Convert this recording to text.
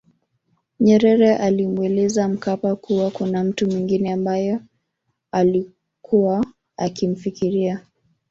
Nyerere alimweleza Mkapa kuwa kuna mtu mwengine ambaye ailikuwa akimfikiria